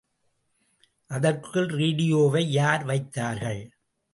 அதற்குள் ரேடியோவை யார் வைத்தார்கள்?